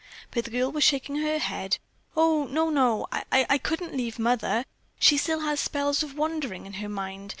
But the girl was shaking her head. "O, no, no! I couldn't leave Mother. She still has spells of wandering in her mind.